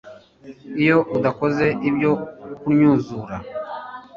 iyo udakoze ibyo ukunnyuzura